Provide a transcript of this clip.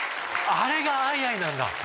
あれがアイアイなんだ。